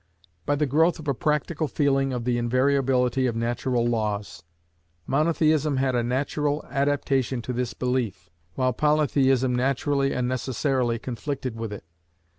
By the growth of a practical feeling of the invariability of natural laws. Monotheism had a natural adaptation to this belief, while Polytheism naturally and necessarily conflicted with it.